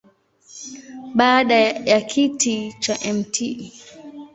Baada ya kiti cha Mt.